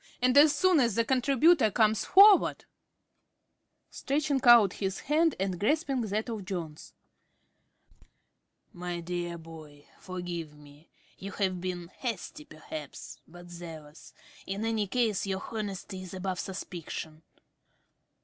And as soon as the contributor comes forward ~Smith~ (stretching out his hand and grasping that of Jones). My dear boy, forgive me. You have been hasty, perhaps, but zealous. In any case, your honesty is above suspicion.